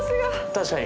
確かに。